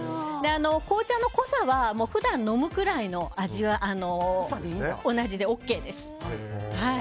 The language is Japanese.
紅茶の濃さは普段飲むくらいと同じでＯＫです。